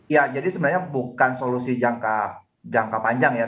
ya jadi sebenarnya bukan solusi jangka panjang ya